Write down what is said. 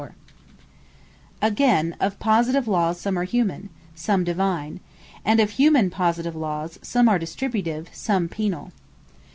Another Division Of Law Again, of Positive Lawes some are Humane, some Divine; And of Humane positive lawes, some are Distributive, some Penal.